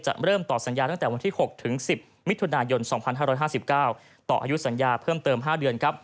เริ่มต่อสัญญาตั้งแต่วันที่๖ถึง๑๐มิถุนายน๒๕๕๙ต่ออายุสัญญาเพิ่มเติม๕เดือน